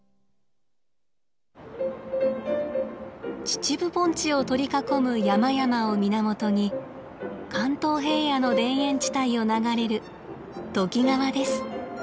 秩父盆地を取り囲む山々を源に関東平野の田園地帯を流れる都幾川です。